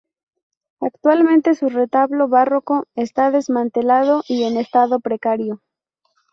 Actualmente, su retablo barroco está desmantelado y en estado precario.